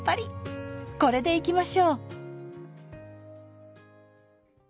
これでいきましょう。